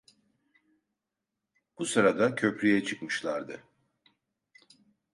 Bu sırada köprüye çıkmışlardı.